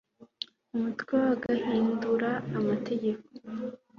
Umutwe wa Guhindura amategeko